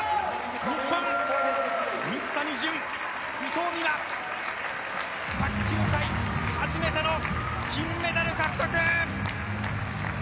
日本、水谷隼、伊藤美誠、卓球界、初めての金メダル獲得！